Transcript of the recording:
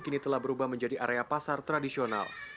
kini telah berubah menjadi area pasar tradisional